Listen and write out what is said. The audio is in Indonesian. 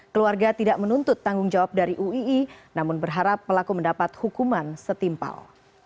keluarga tidak menuntut tanggung jawab dari uii namun berharap pelaku mendapat hukuman setimpal